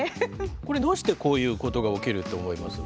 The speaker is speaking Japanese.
これどうしてこういうことが起きるって思います？